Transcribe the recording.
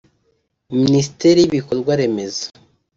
Minisiteri y’ibikorwa remezo